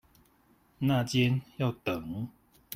那間要等